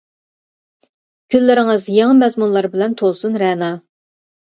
كۈنلىرىڭىز يېڭى مەزمۇنلار بىلەن تولسۇن رەنا.